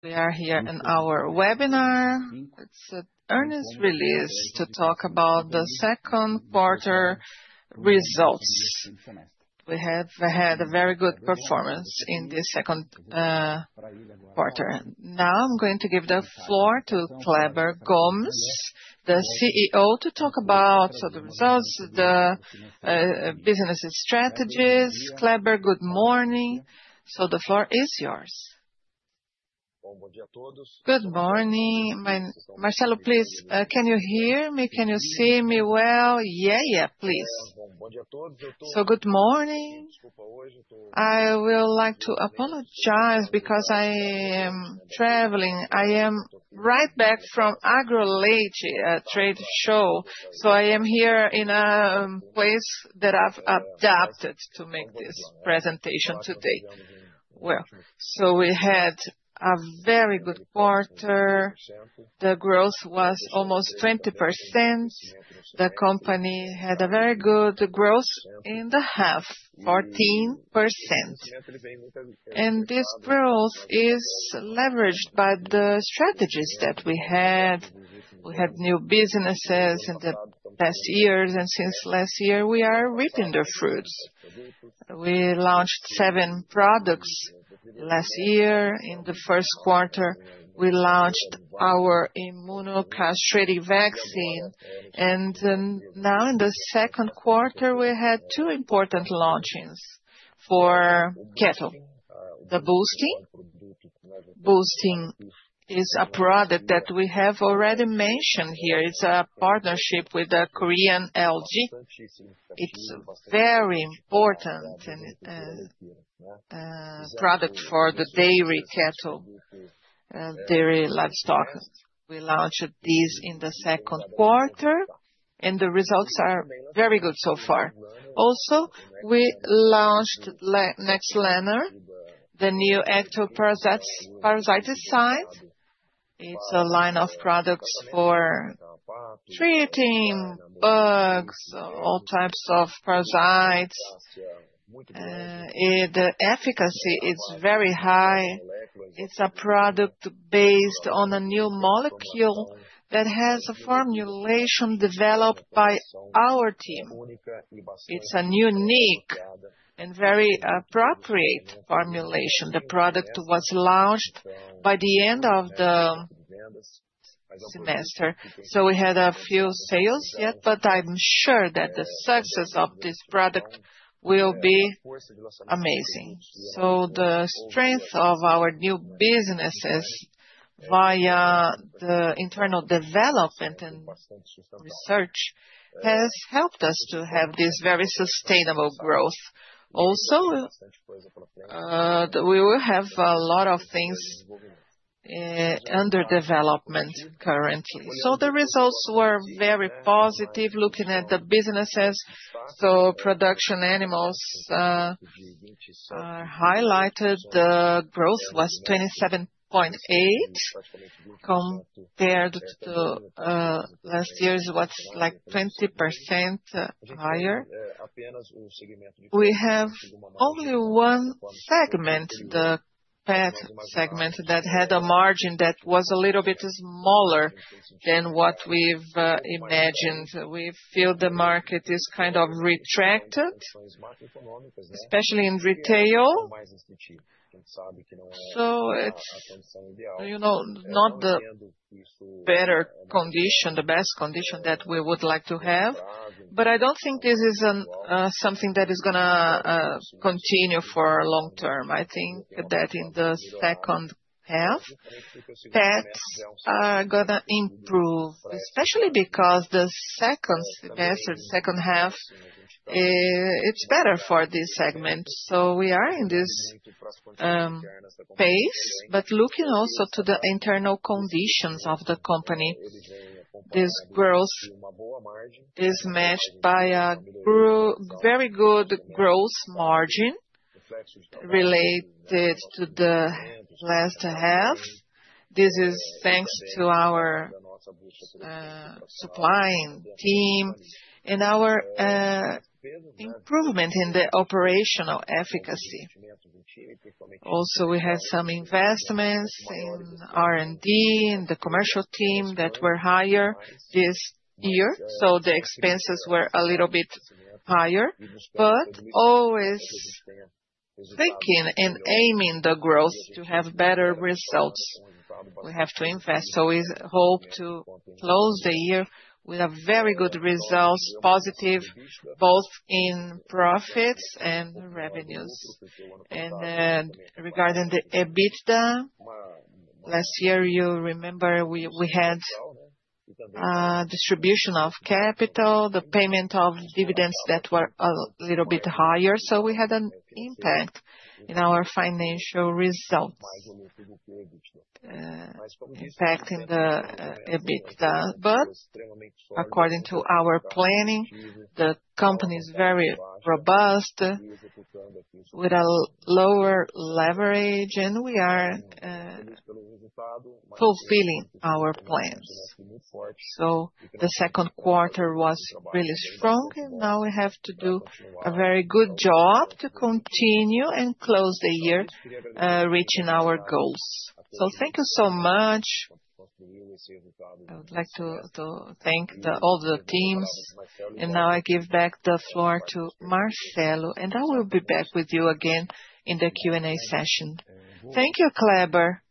We are here in our webinar. It's earnings release to talk about the second quarter results. We have had a very good performance in the second quarter. Now I'm going to give the floor to Kleber Gomes, the Chief Executive Officer, to talk about the results, the business strategies. Kleber, good morning. The floor is yours. Good morning. Marcelo, please, can you hear me? Can you see me well? Yes. Please. Good morning. I will like to apologize because I am traveling. I am right back from Agroleite Trade Show. Well, we had a very good quarter. The growth was almost 20%. The company had a very good growth in the half, 14%. This growth is leveraged by the strategies that we had. We had new businesses in the past years. Since last year, we are reaping the fruits. We launched seven products. Last year, in the first quarter, we launched our immunocastrating vaccine. Now in the second quarter, we had two important launches for cattle. Boostin. Boostin is a product that we have already mentioned here. It's a partnership with the Korean LG. It's very important product for the dairy cattle, dairy livestock. We launched this in the second quarter, and the results are very good so far. Also, we launched Nexlaner, the new active parasiticide. It's a line of products for treating bugs, all types of parasites. The efficacy is very high. It's a product based on a new molecule that has a formulation developed by our team. It's a unique and very appropriate formulation. The product was launched by the end of the semester. We had a few sales yet, but I'm sure that the success of this product will be amazing. The strength of our new businesses via the internal development and research has helped us to have this very sustainable growth. Also, we will have a lot of things under development currently. The results were very positive looking at the businesses. Production animals are highlighted. The growth was 27.8% compared to last year's, was 20% higher. We have only one segment, the pet segment, that had a margin that was a little bit smaller than what we've imagined. We feel the market is kind of retracted, especially in retail. It's not the best condition that we would like to have, but I don't think this is something that is going to continue for long-term. I think that in the second half, pets are going to improve, especially because the second semester, second half, it's better for this segment. We are in this phase, but looking also to the internal conditions of the company. This growth is matched by a very good growth margin related to the last half. This is thanks to our supplying team and our improvement in the operational efficacy. Also, we have some investments in R&D and the commercial team that were higher this year. The expenses were a little bit higher. Always thinking and aiming the growth to have better results, we have to invest. We hope to close the year with a very good results, positive, both in profits and revenues. Regarding the EBITDA, last year, you remember we had distribution of capital, the payment of dividends that were a little bit higher. We had an impact in our financial results, impacting the EBITDA. According to our planning, the company is very robust with a lower leverage, and we are fulfilling our plans. The second quarter was really strong, and now we have to do a very good job to continue and close the year reaching our goals. Thank you so much. I would like to thank all the teams, and now I give back the floor to Marcelo, and I will be back with you again in the Q&A session. Thank you, Kleber.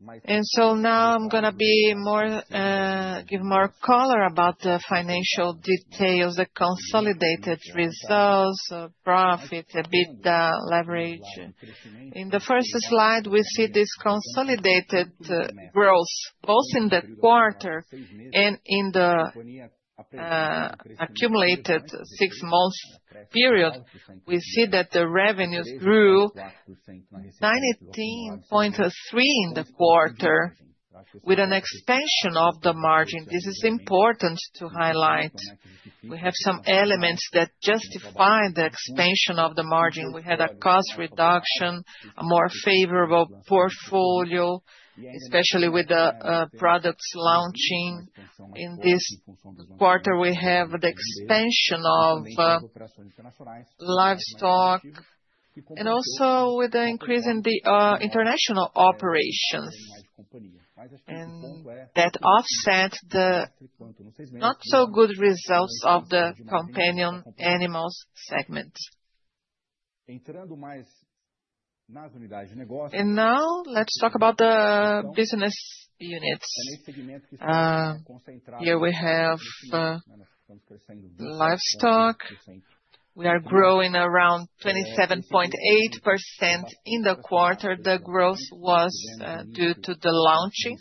Now I'm going to give more color about the financial details, the consolidated results, profit, EBITDA, leverage. In the first slide, we see this consolidated growth, both in the quarter and in the accumulated six months period. We see that the revenues grew 19.3% in the quarter, with an expansion of the margin. This is important to highlight. We have some elements that justify the expansion of the margin. We had a cost reduction, a more favorable portfolio, especially with the products launching in this quarter. We have the expansion of livestock and also with the increase in the international operations and that offset the not so good results of the companion animals segment. Now let's talk about the business units. Here we have livestock. We are growing around 27.8% in the quarter. The growth was due to the launching.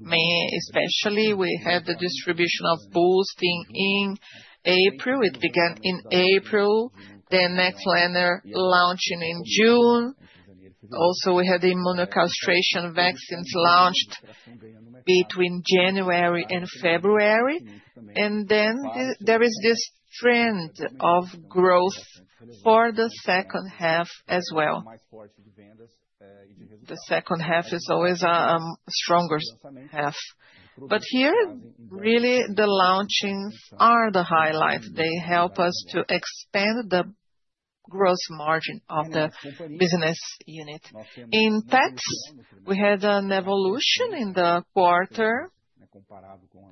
Especially, we have the distribution of Boostin in April. It began in April. The Nexlaner launching in June. Also, we had immunocastration vaccines launched between January and February. There is this trend of growth for the second half as well. The second half is always a stronger half. Here, really the launchings are the highlight. They help us to expand the gross margin of the business unit. In pets, we had an evolution in the quarter.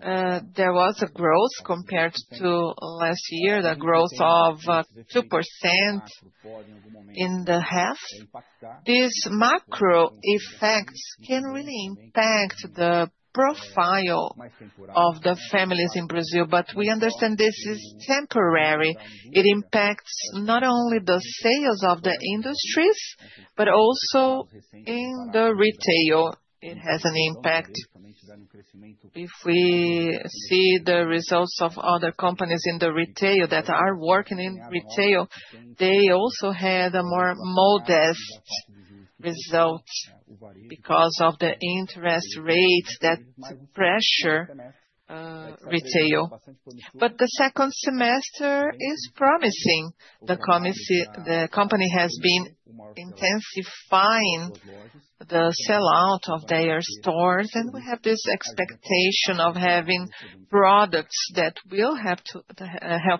There was a growth compared to last year, the growth of 2% in the half. These macro effects can really impact the profile of the families in Brazil, but we understand this is temporary. It impacts not only the sales of the industries, but also in the retail it has an impact. If we see the results of other companies in the retail that are working in retail, they also had a more modest result because of the interest rates that pressure retail. The second semester is promising. The company has been intensifying the sellout of their stores, and we have this expectation of having products that will help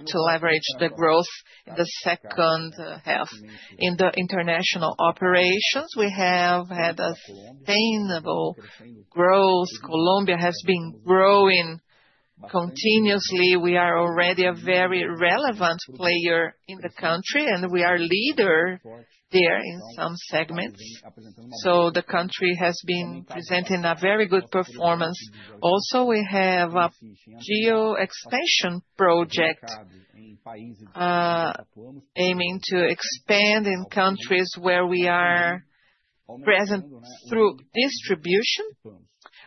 to leverage the growth in the second half. In the international operations, we have had a sustainable growth. Colombia has been growing continuously. We are already a very relevant player in the country, and we are leader there in some segments. The country has been presenting a very good performance. We have a geo-expansion project aiming to expand in countries where we are present through distribution,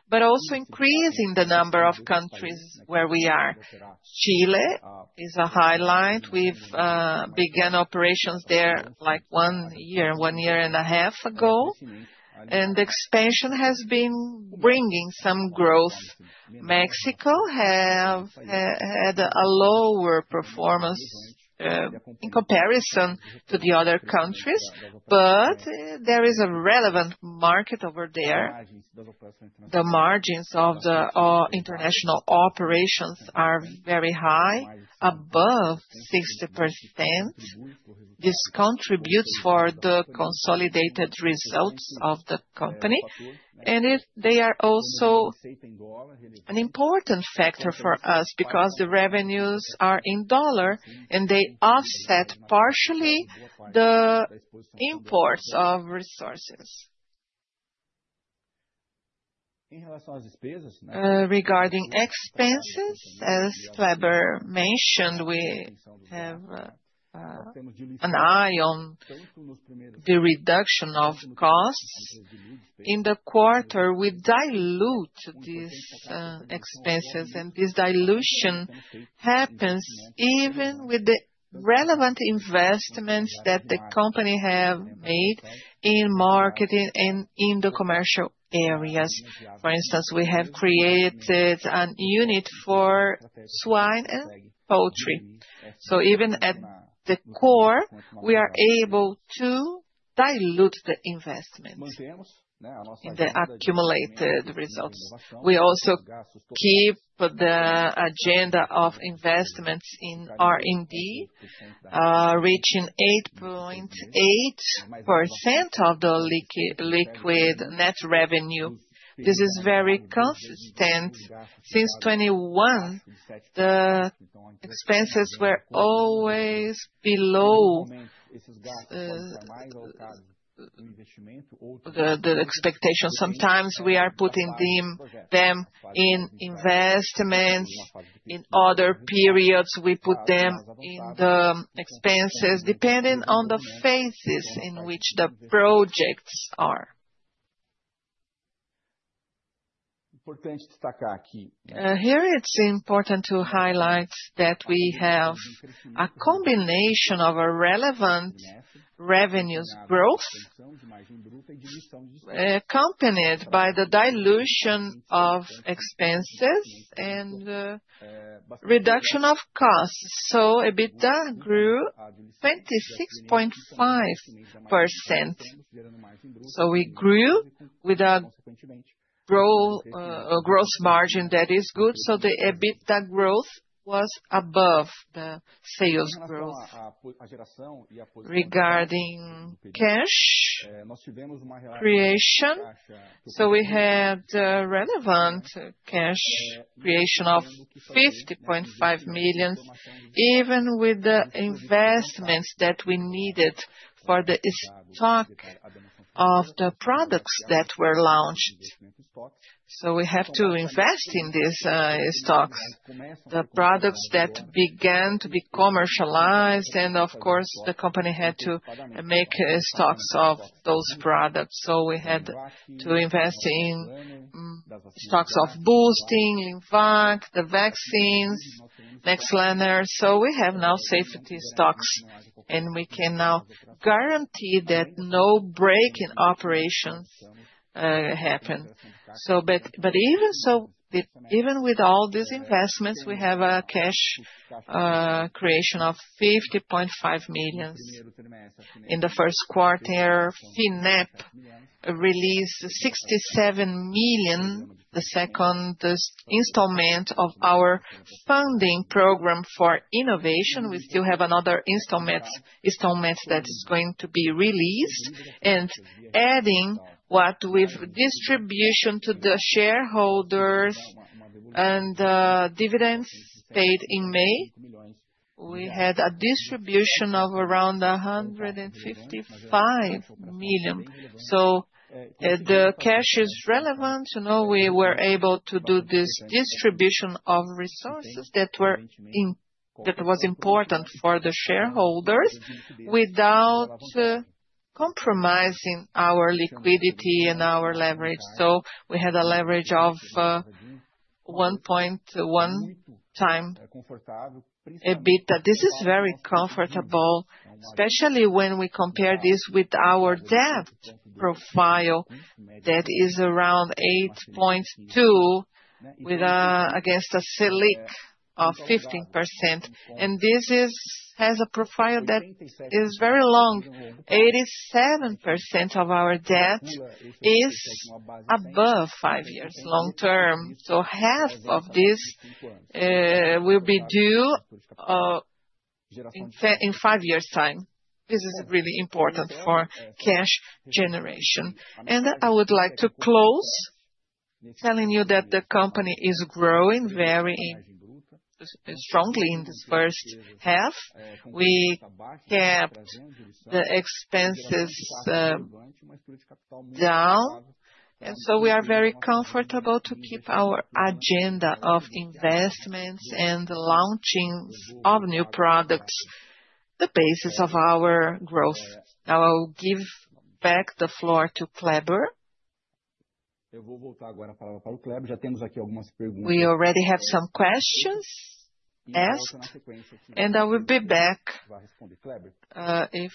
but also increasing the number of countries where we are. Chile is a highlight. We've began operations there one year and a half ago, and expansion has been bringing some growth. Mexico have had a lower performance in comparison to the other countries, but there is a relevant market over there. The margins of the international operations are very high, above 60%. This contributes for the consolidated results of the company. They are also an important factor for us because the revenues are in USD and they offset partially the imports of resources. Regarding expenses, as Cleber mentioned, we have an eye on the reduction of costs. In the quarter, we dilute these expenses, and this dilution happens even with the relevant investments that the company have made in marketing and in the commercial areas. For instance, we have created an unit for swine and poultry. Even at the core, we are able to dilute the investment in the accumulated results. We also keep the agenda of investments in R&D, reaching 8.8% of the liquid net revenue. This is very consistent. Since 2021, the expenses were always below the expectations. Sometimes we are putting them in investments. In other periods, we put them in the expenses, depending on the phases in which the projects are. Here, it's important to highlight that we have a combination of a relevant revenues growth accompanied by the dilution of expenses and reduction of costs. EBITDA grew 26.5%. We grew with a gross margin that is good. The EBITDA growth was above the sales growth. Regarding cash creation, we had relevant cash creation of 50.5 million, even with the investments that we needed for the stock of the products that were launched. We have to invest in these stocks. The products that began to be commercialized, and of course, the company had to make stocks of those products. We had to invest in stocks of Boostin, LeanVac, the vaccines, Nexlaner. We have now safety stocks, and we can now guarantee that no break in operations happen. Even with all these investments, we have a cash creation of 50.5 million. In the first quarter, FINEP released 67 million, the second installment of our funding program for innovation. We still have another installment that is going to be released and adding what with distribution to the shareholders and dividends paid in May, we had a distribution of around 155 million. The cash is relevant. We were able to do this distribution of resources that was important for the shareholders without compromising our liquidity and our leverage. We had a leverage of 1.1x EBITDA. This is very comfortable, especially when we compare this with our debt profile that is around 8.2 with, I guess, a Selic of 15%. This has a profile that is very long. 87% of our debt is above five years long-term. Half of this will be due in five years' time. This is really important for cash generation. I would like to close telling you that the company is growing very strongly in the first half. We kept the expenses down, we are very comfortable to keep our agenda of investments and the launchings of new products, the basis of our growth. I will give back the floor to Cleber. We already have some questions asked, and I will be back if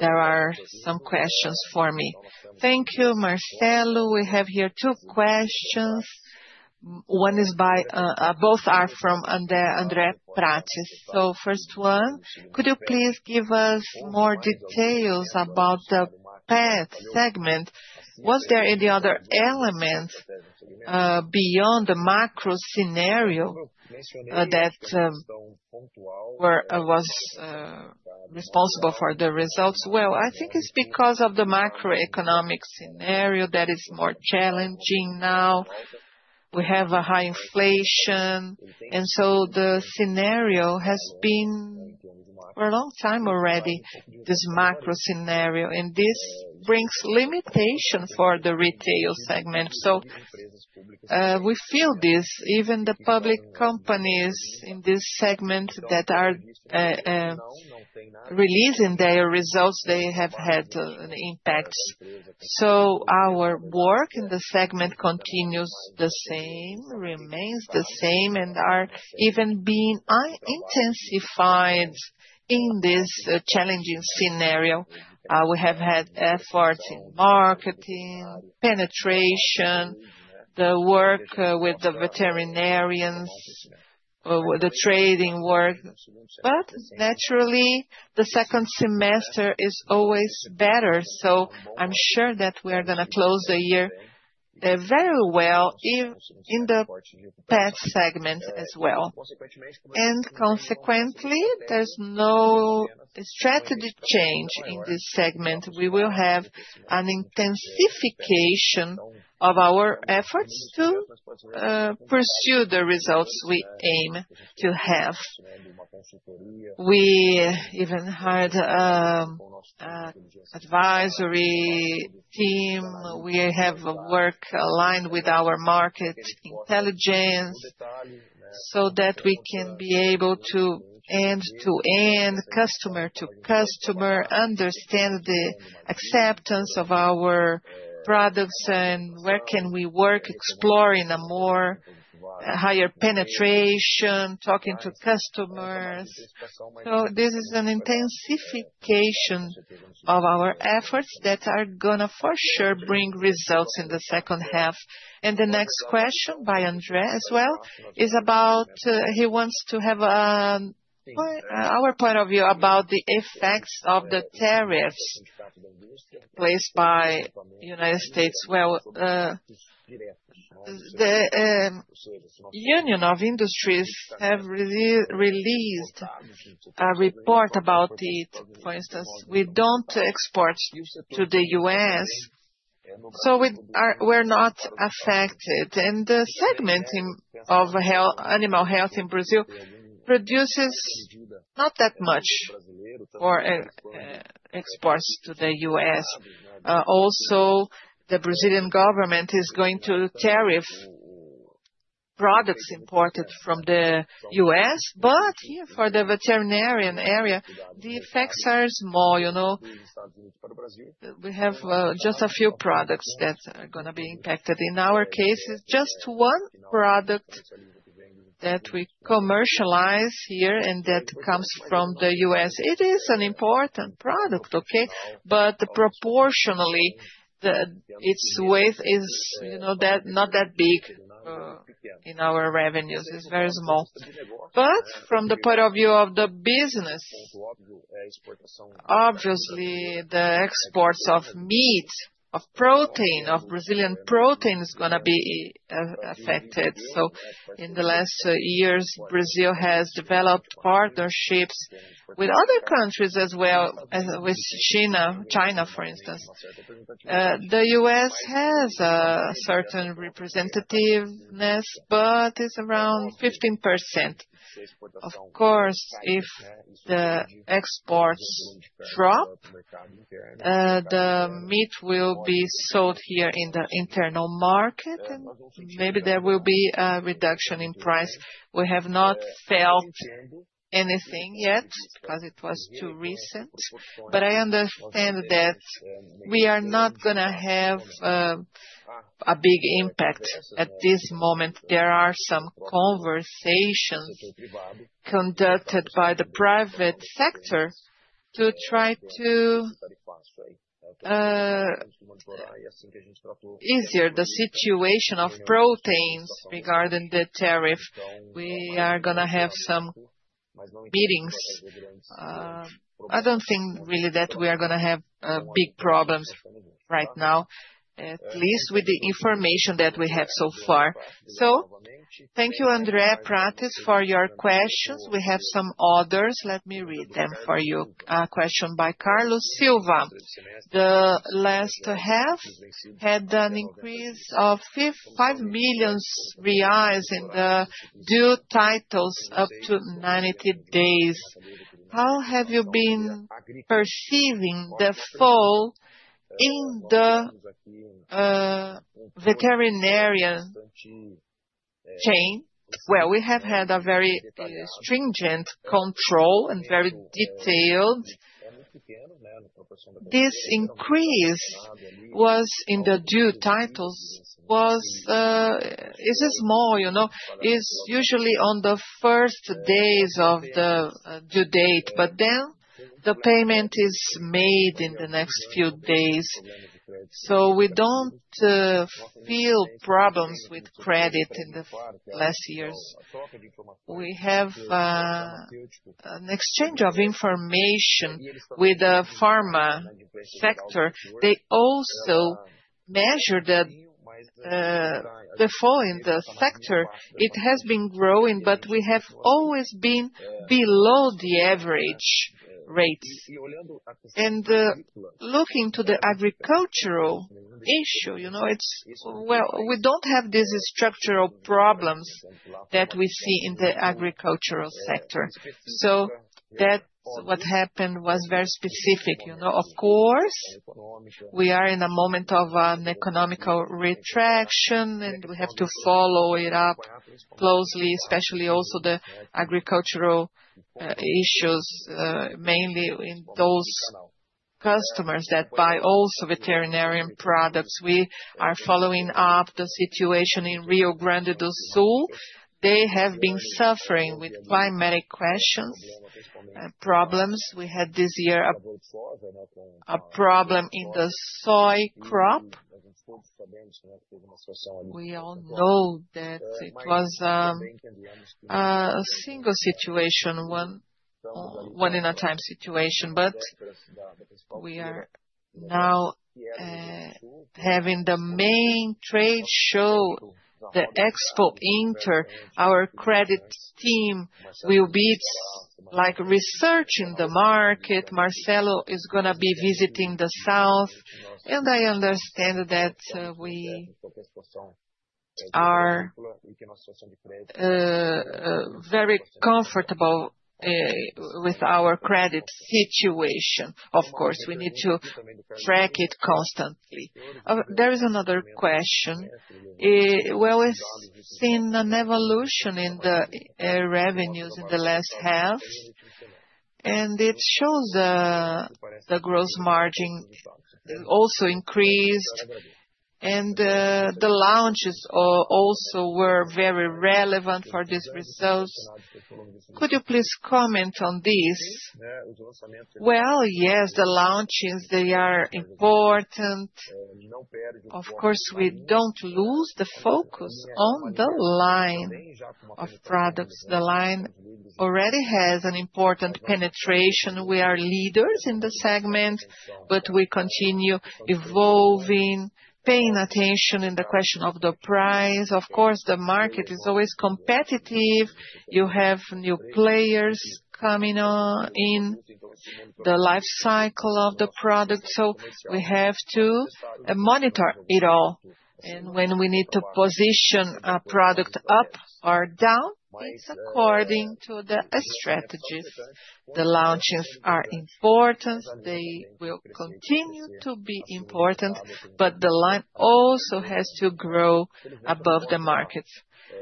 there are some questions for me. Thank you, Marcelo. We have here two questions. Both are from Andre Prates. First one, could you please give us more details about the pet segment? Was there any other element beyond the macro scenario that was responsible for the results? Well, I think it's because of the macroeconomic scenario that is more challenging now. We have a high inflation. The scenario has been for a long time already, this macro scenario. This brings limitation for the retail segment. We feel this, even the public companies in this segment that are releasing their results, they have had an impact. Our work in the segment continues the same, remains the same, and are even being intensified in this challenging scenario. We have had efforts in marketing, penetration. The work with the veterinarians, the trading work. Naturally, the second semester is always better. I'm sure that we are going to close the year very well in the pet segment as well. Consequently, there's no strategy change in this segment. We will have an intensification of our efforts to pursue the results we aim to have. We even hired an advisory team. We have a work aligned with our market intelligence so that we can be able to end-to-end, customer to customer, understand the acceptance of our products and where can we work exploring a higher penetration, talking to customers. This is an intensification of our efforts that are going to for sure bring results in the second half. The next question by Andre as well is about, he wants to have our point of view about the effects of the tariffs placed by U.S. The Union of Industries have released a report about it. For instance, we don't export to the U.S. We're not affected. The segment of animal health in Brazil produces not that much for exports to the U.S. Also, the Brazilian government is going to tariff products imported from the U.S., but here for the veterinarian area, the effects are small. We have just a few products that are going to be impacted. In our case, it's just one product that we commercialize here and that comes from the U.S. It is an important product, okay, but proportionally, its weight is not that big in our revenues. It's very small. From the point of view of the business, obviously the exports of meat, of protein, of Brazilian protein is going to be affected. In the last years, Brazil has developed partnerships with other countries as well as with China, for instance. The U.S. has a certain representativeness, but it's around 15%. Of course, if the exports drop, the meat will be sold here in the internal market, and maybe there will be a reduction in price. We have not felt anything yet because it was too recent, I understand that we are not going to have a big impact at this moment. There are some conversations conducted by the private sector to try to ease the situation of proteins regarding the tariff. We are going to have some meetings. I don't think really that we are going to have big problems right now, at least with the information that we have so far. Thank you, Andre Prates, for your questions. We have some others. Let me read them for you. A question by Carlos Silva. The last half had an increase of 5 million reais in the due titles up to 90 days. How have you been perceiving the fall in the veterinarian chain? We have had a very stringent control and very detailed. This increase in the due titles is small. It's usually on the first days of the due date. Then the payment is made in the next few days. We don't feel problems with credit in the last years. We have an exchange of information with the pharma sector. They also measure the fall in the sector. It has been growing, but we have always been below the average rates. Looking to the agricultural issue, we don't have these structural problems that we see in the agricultural sector. What happened was very specific. Of course, we are in a moment of an economic retraction. We have to follow it up closely, especially also the agricultural issues, mainly in those customers that buy also veterinary products. We are following up the situation in Rio Grande do Sul. They have been suffering with climatic questions and problems. We had this year a problem in the soy crop. We all know that it was a single situation, one in a time situation, but we are now having the main trade show, the Expointer. Our credit team will be researching the market. Marcelo is going to be visiting the South. I understand that we are very comfortable with our credit situation. Of course, we need to track it constantly. There is another question. It's seen an evolution in the revenues in the last half. It shows the gross margin also increased. The launches also were very relevant for these results. Could you please comment on this? Yes, the launches, they are important. Of course, we don't lose the focus on the line of products. The line already has an important penetration. We are leaders in the segment, but we continue evolving, paying attention in the question of the price. Of course, the market is always competitive. You have new players coming in the life cycle of the product. We have to monitor it all. When we need to position a product up or down, it's according to the strategies. The launches are important, they will continue to be important, but the line also has to grow above the market.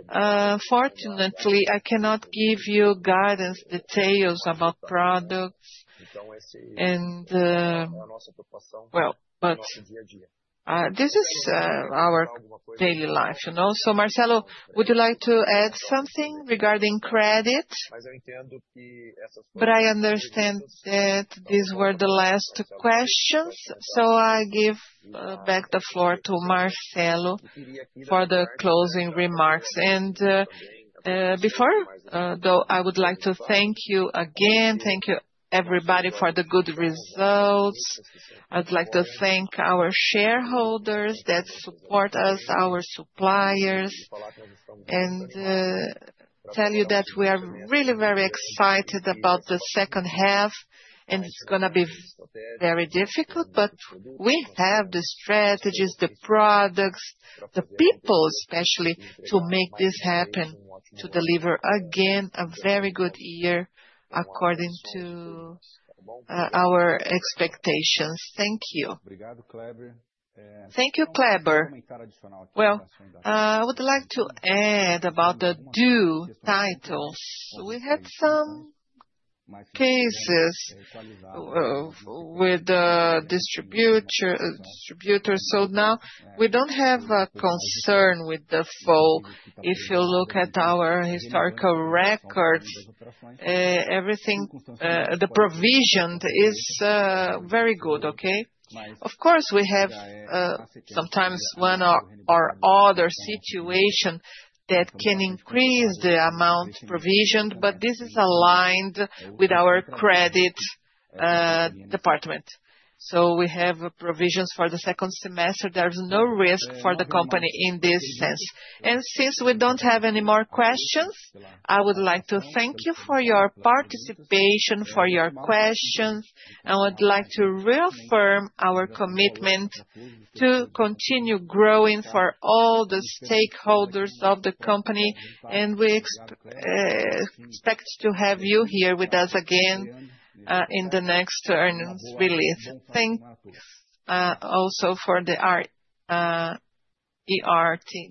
Unfortunately, I cannot give you guidance, details about products. This is our daily life. Marcelo, would you like to add something regarding credit? I understand that these were the last questions. I give back the floor to Marcelo for the closing remarks. Before, though, I would like to thank you again. Thank you everybody for the good results. I would like to thank our shareholders that support us, our suppliers, and tell you that we are really very excited about the second half. It's going to be very difficult. We have the strategies, the products, the people, especially, to make this happen, to deliver again a very good year according to our expectations. Thank you. Thank you, Kleber. I would like to add about the due titles. We had some cases with the distributors. Now we don't have a concern with the fall. If you look at our historical records, the provision is very good, okay? Of course, we have sometimes one or other situation that can increase the amount provision, but this is aligned with our credit department. We have provisions for the second semester. There's no risk for the company in this sense. Since we don't have any more questions, I would like to thank you for your participation, for your questions. I would like to reaffirm our commitment to continue growing for all the stakeholders of the company. We expect to have you here with us again in the next earnings release. Thanks also for the IR team.